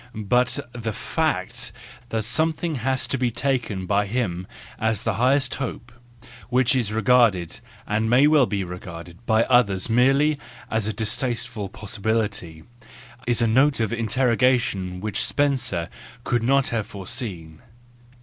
But the fact that something has to be taken by him as his highest hope, which is regarded, and may well be regarded, by others merely as a distasteful possibility, is a note of interrogation which Spencer could not have foreseen.